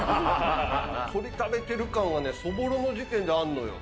鶏食べてる感はね、そぼろの時点であんのよ。